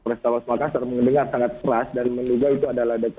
di kota makassar mengendengar sangat keras dan menurut saya itu adalah ledakan